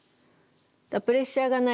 プレッシャーがない。